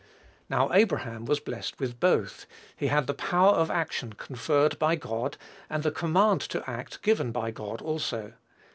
Now, Abraham was blessed with both. He had the power of action conferred by God; and the command to act given by God also.